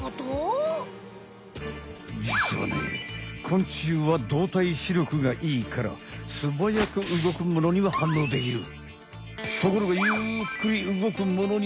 昆虫は動体視力が良いからすばやく動くものには反応できる。